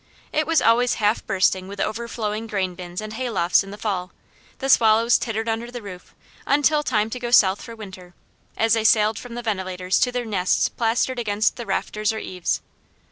It was always half bursting with overflowing grain bins and haylofts in the fall; the swallows twittered under the roof until time to go south for winter, as they sailed from the ventilators to their nests plastered against the rafters or eaves.